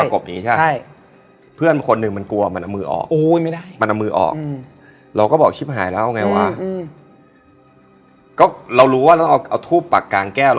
ก็เป็นผมนี่มันแมนเลยนะ